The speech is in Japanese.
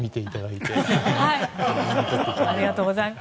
ありがとうございます。